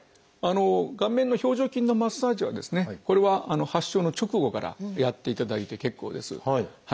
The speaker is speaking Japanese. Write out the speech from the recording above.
顔面の表情筋のマッサージはこれは発症の直後からやっていただいて結構です。